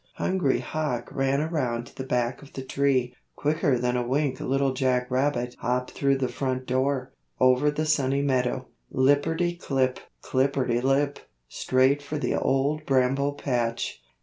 Hungry Hawk ran around to the back of the tree. Quicker than a wink Little Jack Rabbit hopped through the front door, over the Sunny Meadow, lipperty clip, clipperty lip, straight for the Old Bramble Patch.